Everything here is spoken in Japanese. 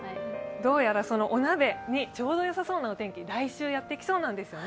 どうやらそのお鍋にちょうどよさそうなお天気、来週、やってきそうなんです。